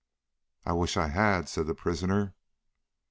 "I wish I had," said the prisoner.